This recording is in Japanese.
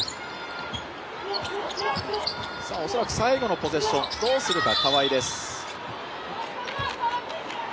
おそらく最後のポゼッション、どうするか、川井です。